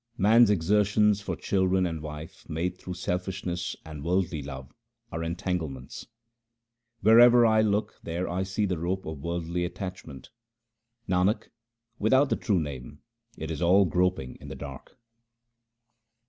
Man's exertions for children and wife, made through selfishness and worldly love, are entanglements. Wherever I look, there I see the rope of worldly attach ment. Nanak, without the true Name it is all groping in the dark.